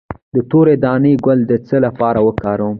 د تورې دانې ګل د څه لپاره وکاروم؟